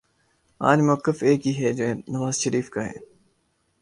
آج مؤقف ایک ہی ہے جو نواز شریف کا ہے